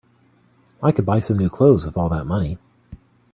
I could buy some new clothes with all that money.